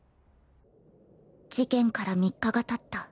事件から３日が経った。